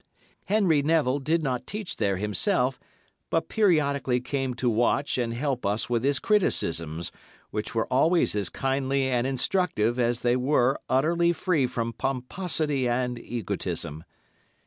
Henry Neville did not teach there himself, but periodically came to watch and help us with his criticisms, which were always as kindly and instructive as they were utterly free from pomposity and egotism.